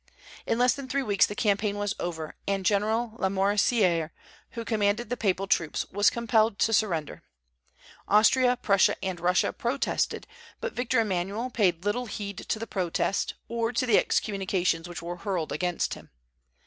In less than three weeks the campaign was over, and General Lamoricière, who commanded the papal troops, was compelled to surrender. Austria, Prussia, and Russia protested; but Victor Emmanuel paid little heed to the protest, or to the excommunications which were hurled against him.